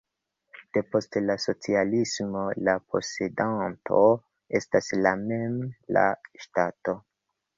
Depost la socialismo la posedanto estas la mem la ŝtato.